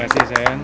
makasih ya sayang